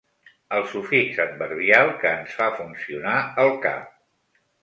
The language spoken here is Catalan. El sufix adverbial que ens fa funcionar el cap.